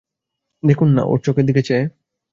দেখুন-না, ওঁর চোখের দিকে চেয়ে।